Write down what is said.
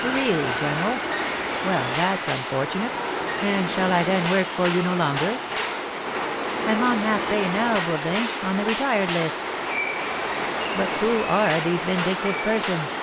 "Really, general! Well, that's unfortunate! And shall I then work for you no longer?" "I am on half pay now, Bourdin, on the retired list." "But who are these vindictive persons?"